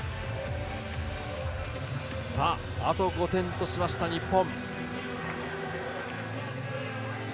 あと５点としました、日本。